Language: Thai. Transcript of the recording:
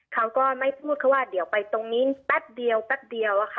เขาก็ไม่พูดเขาว่าเดี๋ยวไปตรงนี้แป๊บเดียวแป๊บเดียวอะค่ะ